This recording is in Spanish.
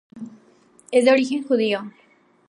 Es de origen judío.